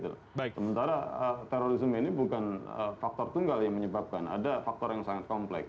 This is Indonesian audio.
sementara terorisme ini bukan faktor tunggal yang menyebabkan ada faktor yang sangat kompleks